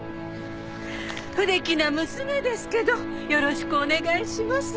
不出来な娘ですけどよろしくお願いします。